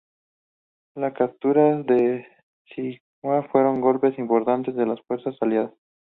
La captura de Pisagua fue un golpe importante a las fuerzas aliadas.